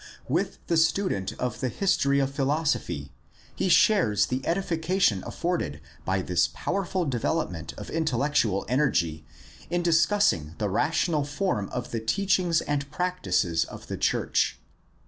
With the student of the history of philosophy he shares the edification afforded by this powerful development of intellectual energy in dis cussing the rational form of the teachings and practices of the church.